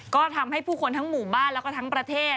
ก็ทำให้ผู้คนทั้งหมู่บ้านแล้วก็ทั้งประเทศ